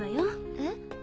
えっ？